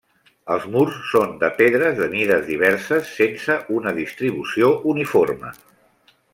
Els murs són de pedres de mides diverses sense una distribució uniforme.